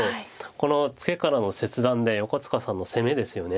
このツケからの切断で横塚さんの攻めですよね。